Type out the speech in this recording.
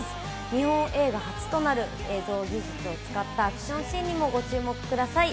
日本映画初となる映像技術を使ったアクションシーンにもご注目ください。